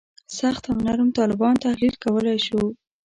سخت او نرم طالبان تحلیل کولای شو.